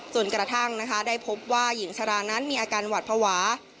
จนกระทั่งนะคะได้พบว่าหญิงชรานั้นมีอาการหวัดภาวะ